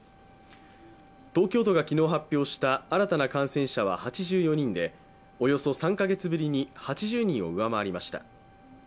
東京都が昨日発表した新たな感染者は８４人でおよそ３カ月ぶりに８０人を上回りました。